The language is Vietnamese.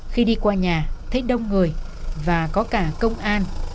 khi đi qua nhà thấy đông người và có cả công an